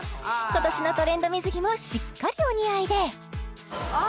今年のトレンド水着もしっかりお似合いで！